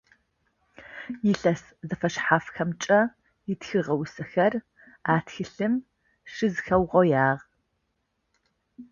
Илъэс зэфэшъхьафхэмкӏэ ытхыгъэ усэхэр а тхылъым щызэхэугъоягъ.